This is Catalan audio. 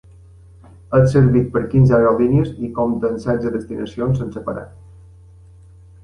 És servit per quinze aerolínies i compta amb setze destinacions sense parar.